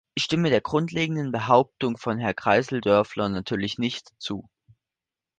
Ich stimme der grundlegenden Behauptung von Herrn Kreissl-Dörfler natürlich nicht zu.